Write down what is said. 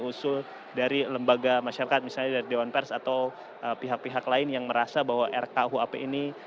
usul dari lembaga masyarakat misalnya dari dewan pers atau pihak pihak lain yang merasa bahwa rkuhp ini